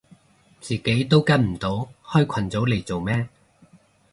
自己都跟唔到開群組嚟做咩